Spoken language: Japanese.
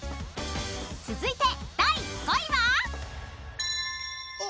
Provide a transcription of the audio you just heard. ［続いて第５位は］